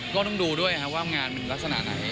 ก็ต้องดูด้วยว่างานมันลักษณะไหน